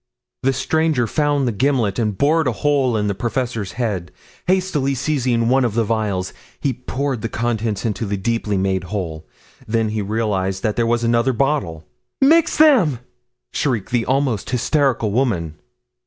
The stranger found the gimlet and bored a hole in the professor's head, hastily seizing one of the vials, he poured the contents into the deeply made hole. He then realized that there was another bottle. "Mix them!" shrieked the almost hysterical woman.